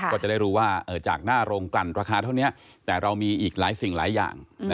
ก็จะได้รู้ว่าจากหน้าโรงกลั่นราคาเท่านี้แต่เรามีอีกหลายสิ่งหลายอย่าง